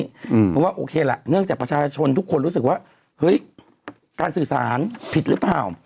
เพราะว่าโอเคล่ะเนื่องจากประชาชนทุกคนรู้สึกว่าเฮ้ยการสื่อสารผิดหรือเปล่า